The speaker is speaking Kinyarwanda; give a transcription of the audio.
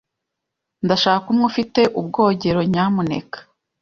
Ndashaka umwe ufite ubwogero, nyamuneka.